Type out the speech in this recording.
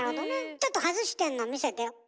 ちょっと外してんの見せて。